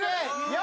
４。